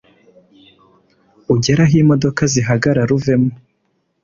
ugere aho imodoka zihagarara uvemo?